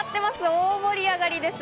大盛り上がりです。